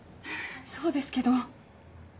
そうですけど。